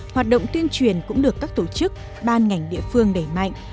hoạt động tuyên truyền cũng được các tổ chức ban ngành địa phương đẩy mạnh